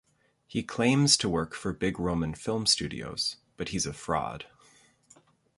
He claims to work for big Roman film studios, but he's a fraud.